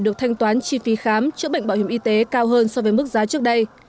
được thanh toán chi phí khám chữa bệnh bảo hiểm y tế cao hơn so với mức giá trước đây